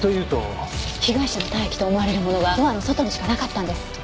被害者の体液と思われるものがドアの外にしかなかったんです。